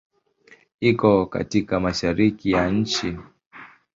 Iko katika Mashariki ya nchi.